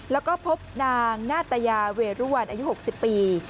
แล้วก็พบนางนาตยาเวรุวันอายุ๖๐ปี